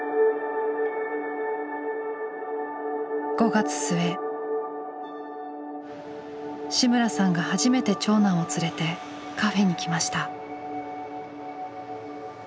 ５月末志村さんが初めて長男を連れてカフェに来ました。